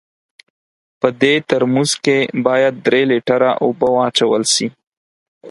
په دې ترموز کې باید درې لیټره اوبه واچول سي.